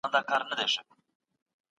که حضوري ټولګي وي فوري ارزونه ترسره کيږي.